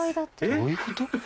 どういうこと？